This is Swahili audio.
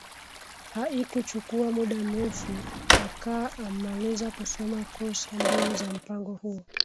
Haikuchukua muda mrefu akaa ammaliza kusoma kursa mbili za mpango huo